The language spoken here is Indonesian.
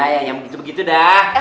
ya yang begitu begitu dah